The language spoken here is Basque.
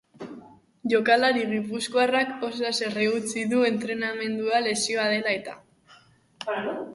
Jokalari gipuzkoarrak oso haserre utzi du entrenamendua lesioa dela-eta.